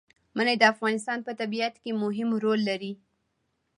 منی د افغانستان په طبیعت کې مهم رول لري.